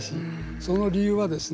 その理由はですね